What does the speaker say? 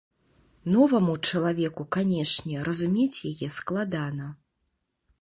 Новаму чалавеку, канешне, разумець яе складана.